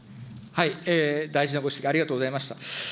大事なご指摘、ありがとうございました。